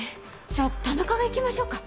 じゃ田中が行きましょうか？